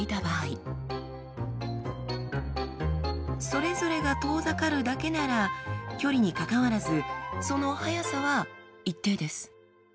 それぞれが遠ざかるだけなら距離にかかわらずその速さは一定です。